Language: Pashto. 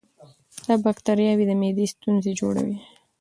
دا بکتریاوې د معدې ستونزې جوړوي.